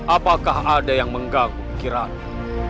apakah ada yang menggaguhkiraku